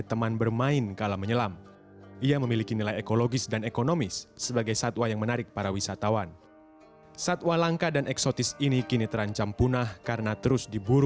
tetapi secara ilmiah khasiat ini tidak terbukti